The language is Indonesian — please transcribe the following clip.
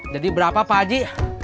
jadi berapa pak aji